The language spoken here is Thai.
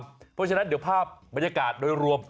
เพราะฉะนั้นเดี๋ยวภาพบรรยากาศโดยรวม